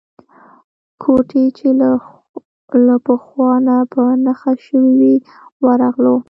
کوټې چې له پخوا نه په نښه شوې وې ورغلو.